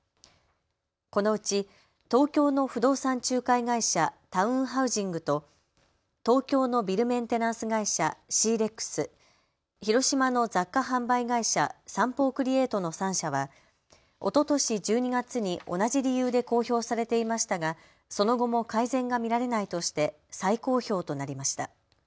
このうち東京の不動産仲介会社、タウンハウジングと東京のビルメンテナンス会社、シーレックス、広島の雑貨販売会社、サンポークリエイトの３社はおととし１２月に同じ理由で公表されていましたがその後も改善が見られないとして再公表となりました。